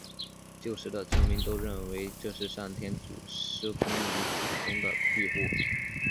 旧时的村民都认为这是上天祖师公与祖宗的庇护。